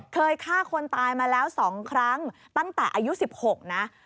เคยฆ่าคนตายมาแล้ว๒ครั้งตั้งแต่อายุ๑๖นะ